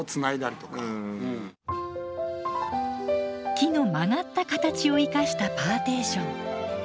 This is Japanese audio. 木の曲がった形を生かしたパーテーション。